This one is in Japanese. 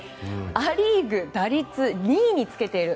ア・リーグ打率２位につけている。